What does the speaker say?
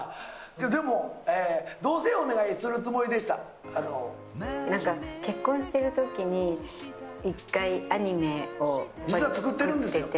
でも、どうせお願いするつもりでなんか、結婚してるときに、実は作ってるんですよ。